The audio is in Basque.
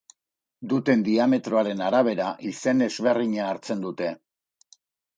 Duten diametroaren arabera izen ezberdina hartzen dute.